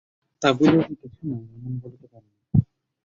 তাই বলিয়া যে কিছু নাই এমন বলিতে পারি না।